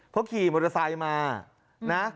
เพราะขี่มอเตอร์ไซค์มานะ